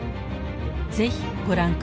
是非ご覧ください。